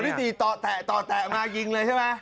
ที่๔ต่อแตะต่อแตะมายิงเลยใช่ไหม